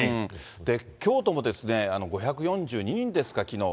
京都も５４２人ですか、きのう。